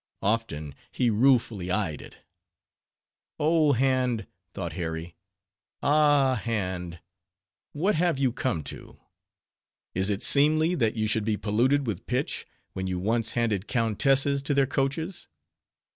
Often he ruefully eyed it. Oh! hand! thought Harry, ah, hand! what have you come to? Is it seemly, that you should be polluted with pitch, when you once handed countesses to their coaches?